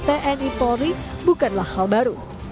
tni polri bukanlah hal baru